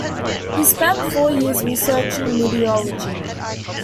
He spent four years researching meteorology.